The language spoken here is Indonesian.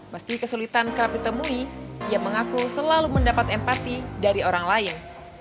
meski kesulitan kerap ditemui ia mengaku selalu mendapat empati dari orang lain